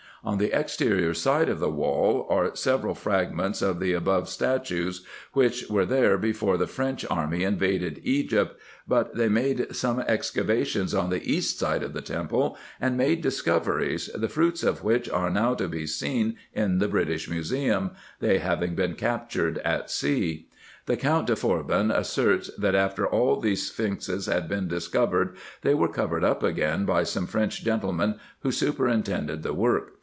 On the exterior side of the wall are several fragments of the above 114 RESEARCHES AND OPERATIONS statues, which were there before the French army invaded Egypt, but they made some excavations on the east side of the temple, and made discoveries, the fruits of which are now to be seen in the British Museum, they having been captured at sea. The Count de Forbin asserts, that after all these sphynxes had been discovered they were covered up again by some French gentlemen who super intended the work.